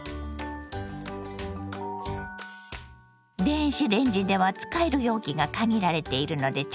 電子レンジでは使える容器が限られているので注意してね。